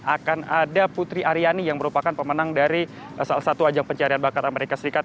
akan ada putri aryani yang merupakan pemenang dari salah satu ajang pencarian bakat amerika serikat